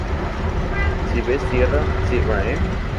si ves tierra, silba, ¿ eh?